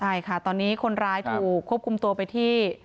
ใช่ค่ะตอนนี้คนร้ายถูกควบคุมตัวไปที่